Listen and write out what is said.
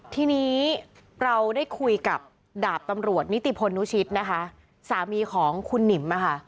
ทีนี้เราได้คุยกับดาบตำรวจนิติพลนุชิตนะคะสามีของคุณหนิมอะค่ะ